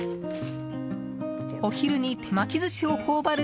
お昼に手巻き寿司を頬張る